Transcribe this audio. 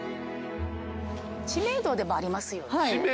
知名度はありますよね。